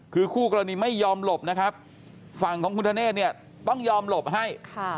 คือคู่กรณีไม่ยอมหลบนะครับฝั่งของคุณธเนธเนี่ยต้องยอมหลบให้